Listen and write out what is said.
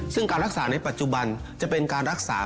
ซึ่งการรักษาในปัจจุบันจะเป็นการรักษา